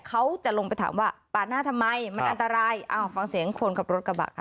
เขาจะลงไปถามว่าปาดหน้าทำไมมันอันตรายอ้าวฟังเสียงคนขับรถกระบะค่ะ